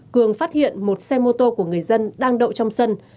cường phát hiện một xe mô tô của người dân đang đậu trong sân